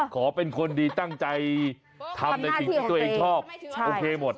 ขอเป็นคนดีตั้งใจทำในสิ่งที่ตัวเองชอบโอเคหมด